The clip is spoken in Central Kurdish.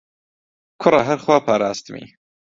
کوڕە هەر خوا پاراستمی